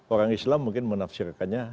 orang islam mungkin menafsirkannya